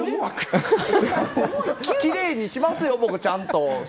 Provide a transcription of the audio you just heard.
きれいにしますよ、ちゃんと。